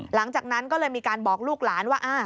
หลังจากนั้นก็เลยมีการบอกลูกหลานว่า